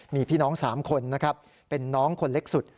มีพี่น้อง๓คนนะครับเป็นน้องคนเล็กสุด